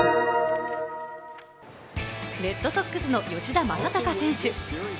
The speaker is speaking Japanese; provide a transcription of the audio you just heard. レッドソックスの吉田正尚選手。